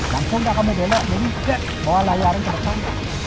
lantung tak kebedean jadi kita bawa layarnya ke depan